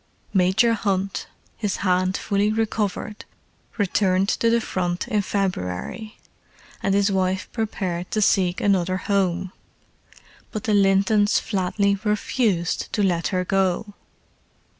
Major Hunt, his hand fully recovered, returned to the Front in February, and his wife prepared to seek another home. But the Lintons flatly refused to let her go.